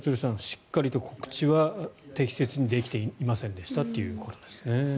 しっかりと告知は適切にできていませんでしたということですね。